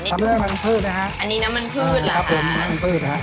ตามด้วยน้ำมันพืชนะครับอันนี้น้ำมันพืชเหรอครับ